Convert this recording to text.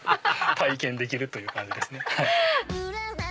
体験できるという感じですね。